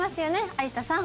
有田さん。